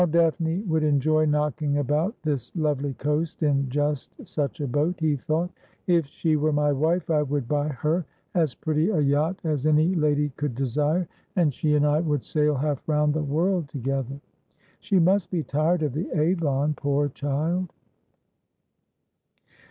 ' How Daphne would enjoy knocking about this lovely coast in just such a boat !' he thought. ' If she were my wife, I would buy her as pretty a yacht as any lady could desire, and she and I would sail half round the world together. She must be tired of the Avon, poor child.'